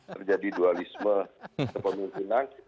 terjadi dualisme sepemimpinan